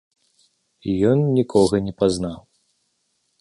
Ён нікога не пазнаў.